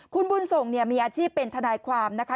คุณบุญส่งเนี่ยมีอาชีพเป็นทนายความนะคะ